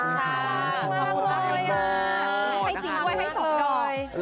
ขอบคุณมากค่ะ